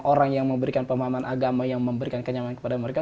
orang yang memberikan pemahaman agama yang memberikan kenyamanan kepada mereka